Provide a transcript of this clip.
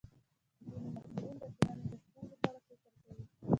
ځینې محصلین د ټولنې د ستونزو په اړه فکر کوي.